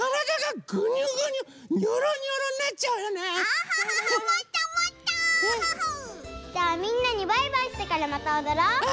じゃあみんなにバイバイしてからまたおどろう！